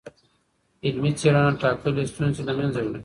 علمي څېړنه ټاکلي ستونزي له منځه وړي.